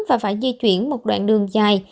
và phải di chuyển một đoạn đường dài